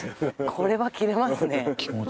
これは切れますね